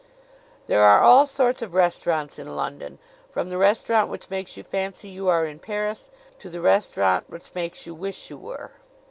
There are all sorts of restaurants in London, from the restaurant which makes you fancy you are in Paris to the restaurant which makes you wish you were.